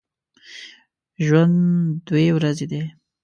ژوند دوې ورځي دی